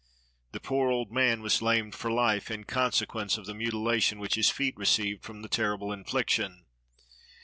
The poor old man was lamed for life, in consequence of the mutilation which his feet received from the terrible infliction.